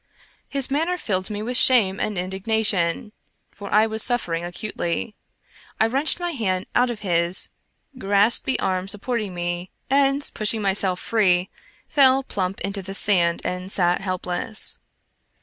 His manner filled me with shame and indignation, for I was suffering acutely. I wrenched my hand out of his, grasped the arm support ing me, and, pushing myself free, fell plump into the sand and sat helpless.